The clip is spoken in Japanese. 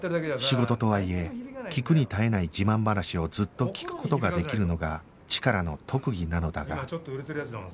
仕事とはいえ聞くに堪えない自慢話をずっと聞く事ができるのがチカラの特技なのだが